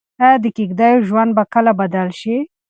ايا د کيږديو ژوند به کله بدل شي؟